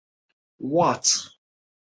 总部被警方监控。